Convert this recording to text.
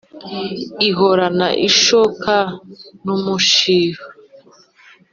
ihorana ishoka n’umushiha